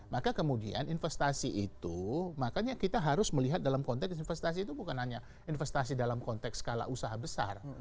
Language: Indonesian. maka kemudian investasi itu makanya kita harus melihat dalam konteks investasi itu bukan hanya investasi dalam konteks skala usaha besar